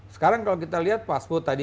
sekarang kalau kita lihat pas buh tadi